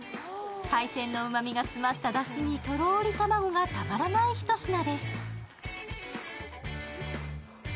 海鮮のうまみが詰まっただしにとろり卵がたまらないひと品です。